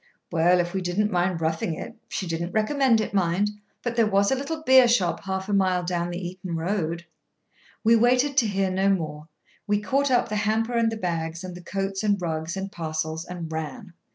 "Well, if we didn't mind roughing it—she did not recommend it, mind—but there was a little beershop half a mile down the Eton road—" We waited to hear no more; we caught up the hamper and the bags, and the coats and rugs, and parcels, and ran.